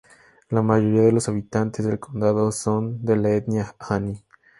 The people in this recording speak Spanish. La mayoría de los habitantes del condado son de la etnia hani.